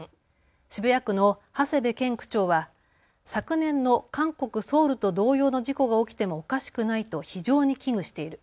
渋谷区の長谷部健区長は昨年の韓国・ソウルと同様の事故が起きてもおかしくないと非常に危惧している。